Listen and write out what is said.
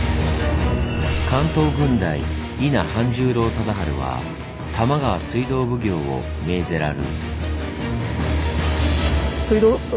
「関東郡代伊奈半十郎忠治は玉川水道奉行を命ぜらる」。